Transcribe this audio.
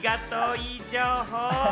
いい情報。